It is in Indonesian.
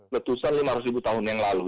letusan lima ratus ribu tahun yang lalu